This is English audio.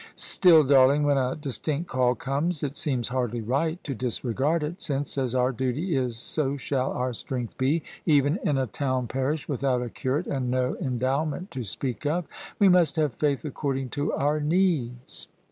" Still, darling, when a distinct call comes it seems hardly right to disregard it, since as our day is so shall our strength be, even in a town parish without a curate and no en dowment to speak of. We must have faith according to our needs."